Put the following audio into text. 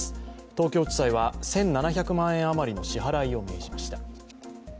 東京地裁は１７００万円余りの支払いを命じました。